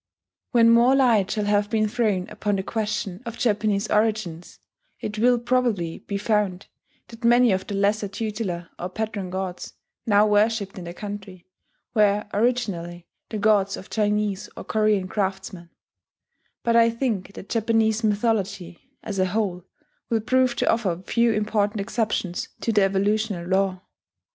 When more light shall have been thrown upon the question of Japanese origins, it will probably be found that many of the lesser tutelar or patron gods now worshipped in the country were originally the gods of Chinese or Korean craftsmen; but I think that Japanese mythology, as a whole, will prove to offer few important exceptions to the evolutional law.